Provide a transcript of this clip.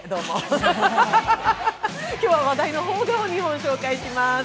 今日は話題の邦画を２本紹介します。